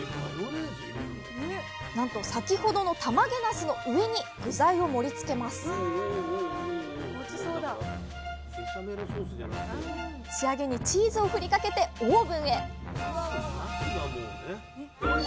なんと先ほどのたまげなすの上に具材を盛りつけます仕上げにチーズを振りかけてオーブンへ！